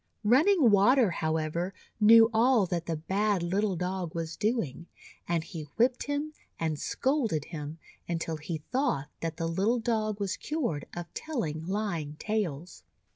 Running Water, however, knew all that the bad little Dog was doing, and he whipped him, and scolded him, until he thought that the little Dog was cured of telling lying tales.